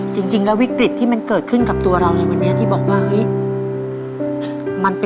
จริงแล้ววิกฤตที่มันเกิดขึ้นกับตัวเราในวันนี้ที่บอกว่าเฮ้ยมันเป็น